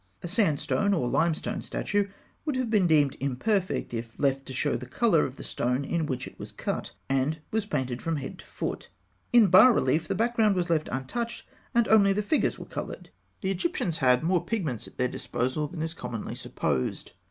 A sandstone or limestone statue would have been deemed imperfect if left to show the colour of the stone in which it was cut, and was painted from head to foot. In bas relief, the background was left untouched and only the figures were coloured. The Egyptians had more pigments at their disposal than is commonly supposed.